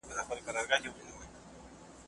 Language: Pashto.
زدهکوونکي د ښوونځي له خوا د نوښت ارزښت پیژني.